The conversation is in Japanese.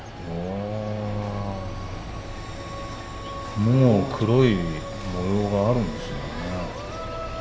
もう黒い模様があるんですよね。